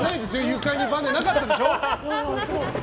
床にバネなかったでしょ。